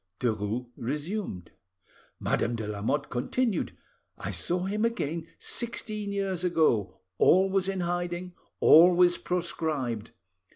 Derues resumed. "Madame de Lamotte continued: 'I saw him again sixteen years ago, always in hiding, always proscribed.